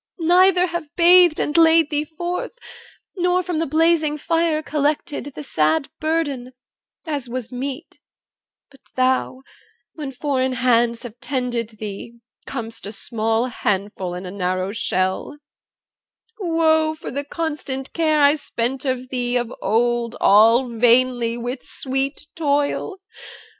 neither have bathed And laid thee forth, nor from the blazing fire Collected the sad burden, as was meet But thou, when foreign hands have tended thee Com'st a small handful in a narrow shell Woe for the constant care I spent on thee Of old all vainly, with sweet toil!